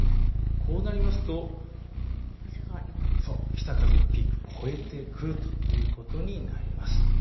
こうなりますと北風のピーク、越えてくるということになります。